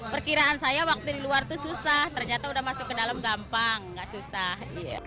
perkiraan saya waktu di luar itu susah ternyata udah masuk ke dalam gampang nggak susah